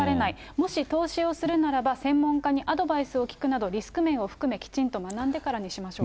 もし投資をするならば、専門家にアドバイスを聞くなど、リスク面を含め、きちんと学んでからにしましょうと。